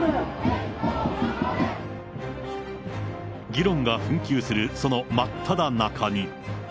議論が紛糾するその真っただ中に。